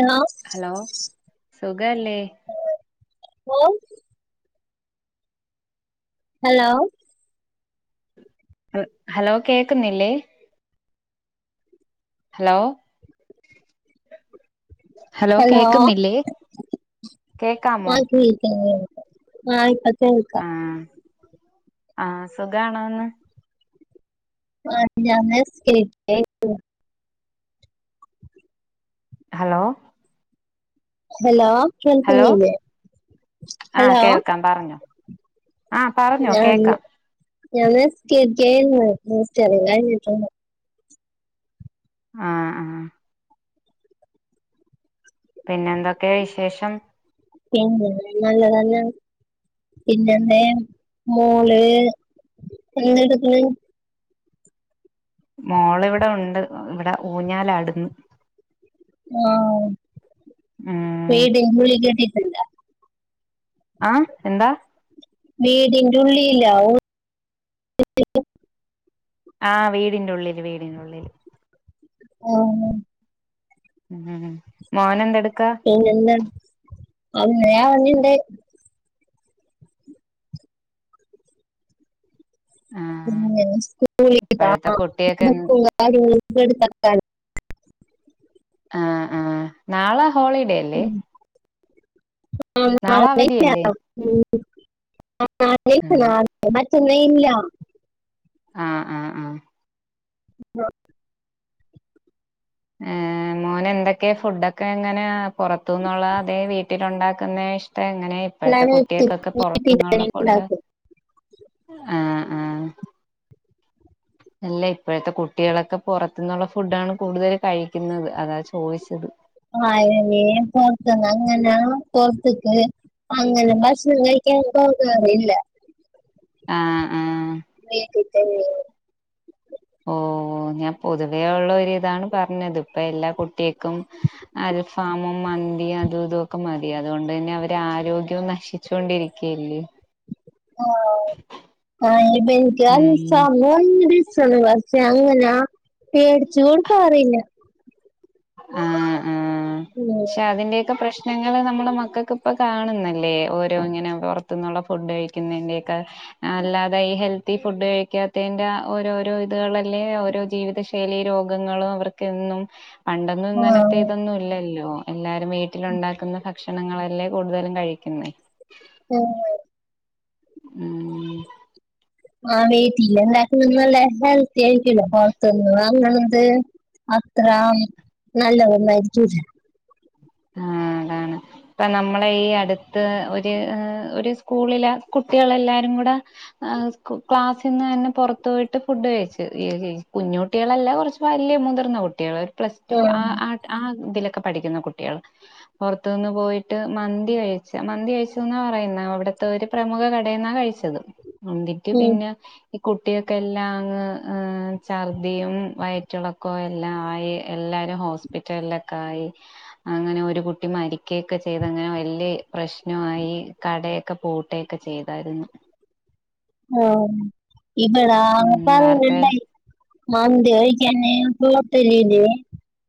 എന്നാ? ഹലോ സുഖല്ലേ? [unintelligible] ഓഹ് ഹലോ? ഹ് ഹലോ കേൾക്കുന്നില്ലേ? ഹലോ? ഹലോ? കേക്കാമോ ആഹ് കേ ആഹ് [unintelligible] കേൾക്ക. ആഹ് സുഖാണോന്ന് ആഹ് ഞാൻ [unintelligible] ഹലോ? ഹലോ ഹലോ കേൾക്കുന്നില്ലേ? പറഞ്ഞൊ. ഞാൻ ഞാ നിസ്കര്ച്ചേര്ന്ന് [unintelligible] ആഹ് ആഹ്. പിന്നെ എന്തൊക്കെ വിശേഷം. പിന്നെ നല്ലതന്നെ. പിന്നെന്നെ മോള് ദേട്ക്ക്ണ് മോളിവിടെ ഉണ്ട് ഇവിടെ ഊഞ്ഞാലാടുന്ന്. ആഹ് ഉം പേട എംഗളികട്ടതല്ല [unintelligible] അഹ് എന്താ? വീടിന്റുള്ളില്ലാവും. ഓ [inaudible] ആ വീടിൻ്റുള്ളില് വീടിന്റുള്ളില്. ആഹ് ഹ്ഹ് മോനെന്തെടുക്കാ? പിന്നെ എന്താ അറയാ പറഞ്ഞിണ്ട് [unintelligible] ആ ഉ സ്കൂൾ ഇപ്പോഴത്തെ ഇതാക്ക കുട്ടിയൊക്കെ എന്ത്- തക്ക [unintelligible] ആ ആഹ് നാളെ ഹോളീഡേ ആ ന [unintelligible] നാളെ അവധിയല്ലേ ആഹ് [unintelligible] മറ്റെന്ന ഇല്ല. ആ ആ ആഹ് ഉ വ [inaudible] ഏഹ് മോനെന്തൊക്കെ ഫുഡൊക്കെ എങ്ങനെ പുറത്തുന്നൊള്ളതേ വീട്ടിലുണ്ടാക്കുന്നേ ഇഷ്ടം എങ്ങനെ? പ്പഴത്തെ നാളെ കുട്ട്യെക്കൊക്കെ വീട്ടിൽ പൊറത്തുന്നുള്ള ഫുഡ് ഉണ്ടാക്കും ആഹ് ആഹ്. ല്ല ഇപ്പഴത്തെ കുട്യാളൊക്ക പൊറത്ത്ന്നുള്ള ഫുഡാണ് കൂടുതൽ കഴിക്കുന്നത് അതാ ചോദിച്ചത്. ആയിന് പോർത്ത്ന്നെങ്ങനാ പോർത്ത്ക്ക് [unintelligible] അങ്ങനെ ഭക്ഷണം കഴിക്കാൻ പോകാറില്ല. ആഹ് ആഹാ വീട്ടീത്തന്നെണ് [unintelligible] ഓ ഞാൻ പൊതുവേഒള്ള ഒരിതാണ് പറഞ്ഞത് പ്പൊ എല്ലാ കുട്യേക്കും അൽഫാമും മന്തി അതൂതൊക്കെമതി അതൊണ്ട്ന്നെ അവരെ ആരോഗ്യോം നശി ച്ചൊണ്ടിരിക്കല്ലേ? ആഹ് ആബക്ക് ഉം സമൂ [unintelligible] അ ഇമ വച്ച അങ്ങനാ പേടിച്ചു കൊടുക്കാറില്ല [unintelligible] ആ ആഹ് ഉം. ക്ഷെ അതിന്റെക്കെ പ്രശ്നം ഞങ്ങള് നമ്മുടെ മക്കൾക്ക് ഇപ്പൊ കാണുന്നില്ലേ ഓരോ ഇങ്ങനെ പുറത്തുന്നുള്ള ഫുഡ് കഴിക്കുന്നതിന്റെക്കെ അല്ലാതെ ഈ ഹെൽത്തി ഫുഡ് കഴിക്കാത്തന്റെ ഓരോരോ ഇതുകളല്ലേ ഓരോ ജീവിത ശൈലി രോഗങ്ങളും അവർക്കെന്നും പണ്ടൊന്നും ആ, ഇങ്ങനത്തെ ഇതൊന്നും ഇല്ലല്ലോ എല്ലാരും വീട്ടിലുണ്ടാക്കുന്നഭക്ഷ ക്ഷണങ്ങളല്ലേ കൂടുതലും കഴിക്കുന്നേ [unintelligible] ഉം ആഹ് വീട്ടില്ലെ എന്താക്കന്ന നല്ല ഹെൽത്തി ആയിരിക്കൂല്ല പുറത്തനിന്നും വാങ്ങണത് അത്ര നല്ലതൊന്നായിരിക്കൂല്ല ആഹ് അതാണ് ഇപ്പ നമ്മളെ ഈ അടുത്ത് ഒരു ഒരു സ്കൂളില് കുട്ടികളെല്ലാരും കൂടെ ക്ലാസ്സിന്നന്നെ പുറത്ത്പോയിട്ട് ഫുഡ്കഴിച്ചു ഈ കുഞ്ഞു കുട്ടിളല്ല കുറച്ച് വലിയ മുതിർന്ന കുട്ട്യേള് ഒരു പ്ലസ് ടു ആ ആഹ് ആ ആ ഇതിലൊക്കെ പഠിക്കുന്ന കുട്ടി കുട്ട്യൾ പുറത്ത്ന്ന് പോയിട്ട് മന്തി കഴിച്ച് മന്തികഴിച്ചന്ന പറയുന്ന അവിടത്തെ ഒരു പ്രമുഖ കടേന്നാ കഴിച്ചത് മന്തിക്ക് ഉം പിന്നെ ഈ കുട്ട്യേക്കെല്ലാം അങ്ങ് ഛർദിയും വയറ്റ്ളക്കവും എല്ലാം ആയി എല്ലാരും ഹോസ്പിറ്റലിലൊക്കെ ആയി അങ്ങനെ ഒരു കുട്ടി മരിക്കുകയൊക്കെ ചെയ്തങ്ങനെ വലിയ പ്രശ്നമായി കടയൊക്കെ പൂ ട്ടൊക്കെ ചെയ്തായിരുന്നു ഓ ഇവിടാ ഉം വാർത്ത സാധനണ്ടായി മന്തികഴിച്ച് തന്നെ ഹോട്ടലിലെ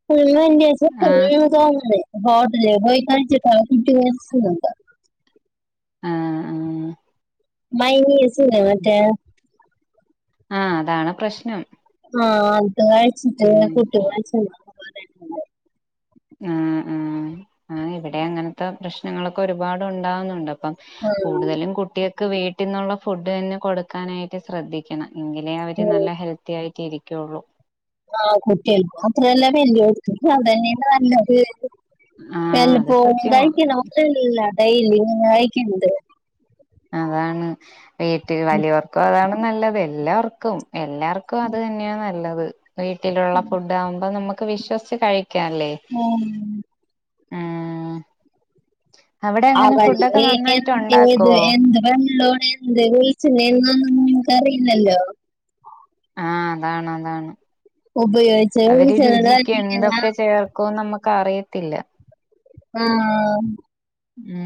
ഫുള്ളന്നേ ആഹ് [unintelligible] ഹോട്ടല് പോയി കഴിച്ചിട്ടോ [unintelligible] ആഹ് ആഹ് മയനീസലെ മറ്റെ ആഹ് അതാണ് പ്രശ്നം ആഹ് അത്കഴിച്ചിട്ട് ഉം കുട്ടി മരിച്ചത് ആഹ് ആഹ് ആ ഇവിടെ അങ്ങനത്തെ പ്രശ്നങ്ങളൊക്കെ ഒരുപാട് ഉണ്ടാവുന്നുണ്ട് അപ്പം ആഹ് കൂടുതലും കുട്ട്യേക്ക് വീട്ടിന്നുള്ള ഫുഡ്തന്നെ കൊടുക്കാനായിട്ട് ശ്രദ്ധി ക്കണം എങ്കിലേ അവര് ഉം നല്ല ഹെൽത്തിആയിട്ട് ഇരിക്കുള്ളൂ ആഹ് കുട്ടിൾക്ക് മാത്രല്ല വല്യഓൽക്കും അതന്നെയാണ് നല്ലത് ആഹ് അത് വല്ലപ്പോയും സത്യമാ കഴിക്കണ മാതിരി അല്ല ഡയ്ലി കഴിക്കണത് അതാണ് വീട്ടിൽ വലിയവർക്കും അതാണ് നല്ലത് എല്ലാവർക്കും എല്ലാർക്കും അത് തന്നെയ നല്ലത് വീട്ടിലുള്ള ഫുഡ് ആവുമ്പോ നമക്ക് വിശ്വസിച്ച് കഴി ക്കാല്ലേ ഉം. അവിടെ അങ്ങനെ ഫുഡൊക്കെ ആവല്ലേനി നന്നായിട്ട് എന്ത് ഇത് ഉണ്ടാക്കുവോ എന്ത് വെള്ളോണ ഇന്തേ വെളിച്ച എന്നന്നും നമുക്ക് അറിയില്ലല്ലോ ആഹ് അതാണ് അതാണ് ഉപയോഗിച്ച് അവര് വിളിച്ചത് തന്നെ രുചിക്ക് ഇങ്ങനെ എന്തൊക്കെ ചേർ ക്കോ നമക്ക് അറിയത്തില്ല ആഹ്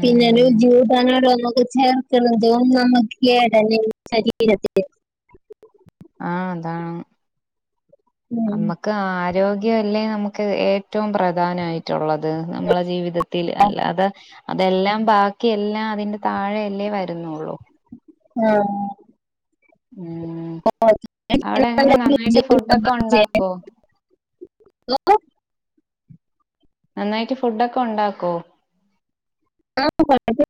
പിന്നെ രുചികൂട്ടാൻ ഓരോന്നൊക്കെ ചേർ ക്ക്ണതും നമ്മക്ക് കേടെന്നെണ് ശരീരത്തിന് ആഹ് അതാണ് ഉം. നമ്മ ക്ക് ആരോഗ്യ അല്ലേ നമുക്ക് ഏറ്റവും പ്രധാനായിട്ടുള്ളത് നമ്മള ജീവിതത്തിൽ അല്ലാതെ അതെല്ലാം ബാക്കിഎല്ലാം അതിന്റെ താഴെയല്ലേ വരുന്നുള്ളൂ ആഹ് ഉം അവിടെ എങ്ങനെ [inaudible] നന്നായിട്ട് ഫുഡൊക്കെ ഉണ്ടാക്കോ? [unintelligible] നന്നായിട്ട് ഫുഡ ഒക്കെ ഉണ്ടാക്കോ ആ കൊയപ്പല്യാ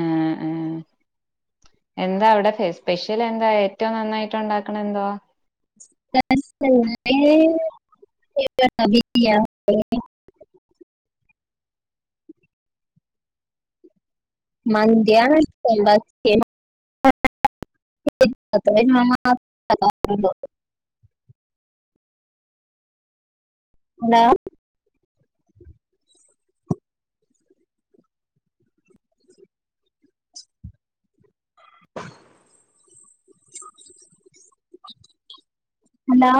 ഏഹ് ഏഹ് എന്താ അവിടെ സ്പെഷ്യലെന്താ ഏറ്റവും നന്നായിട്ട് ഉണ്ടാക്കണന്തോ [unintelligible] മന്തിയാണ് ണ്ടാക്കിയേ [unintelligible] ഹലോ ഹലോ